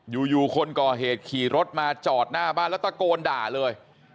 อยู่คนก่อเหตุขี่รถมาจอดหน้าบ้านแล้วตะโกนด่าเลย